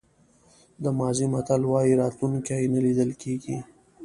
د مازی متل وایي راتلونکی نه لیدل کېږي.